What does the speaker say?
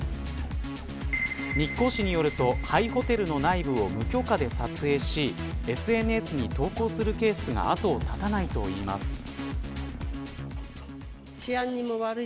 日光市によると廃ホテルの内部を無許可で撮影しＳＮＳに投稿するケースが後を絶たないといいます。